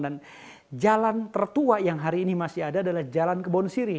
dan jalan tertua yang hari ini masih ada adalah jalan kebon siri